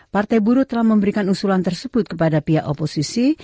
partai buruh telah memberikan usulan tersebut kepada pihak oposisi